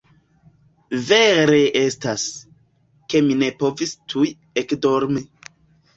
Vere estas, ke mi ne povis tuj ekdormi.